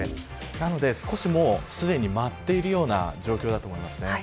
なので少しもうすでに舞っているような状況だと思います。